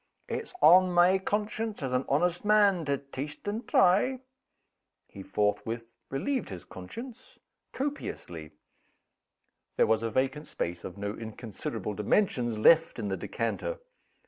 It's on my conscience, as an honest man, to taste and try." He forthwith relieved his conscience copiously. There was a vacant space, of no inconsiderable dimensions, left in the decanter.